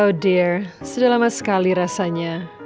oh dear sudah lama sekali rasanya